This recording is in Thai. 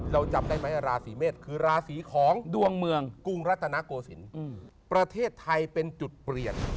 จำได้ไหมราศีเมษคือราศีของดวงเมืองกรุงรัตนโกศิลป์ประเทศไทยเป็นจุดเปลี่ยน